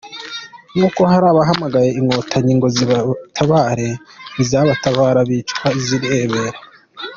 Nkuko hari abahamagaye inkotanyi ngo zibatabare, ntizatabara bicwa zirebera.